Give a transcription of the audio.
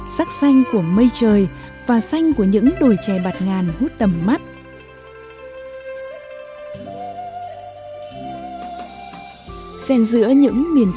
sắc xanh của mây trời và xanh của những đồi trẻ bạc ngài